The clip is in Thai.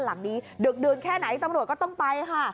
หลังนี้ดึกดื่นแค่ไหนตำรวจก็ต้องไปค่ะ